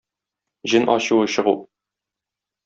Җен ачуы чыгу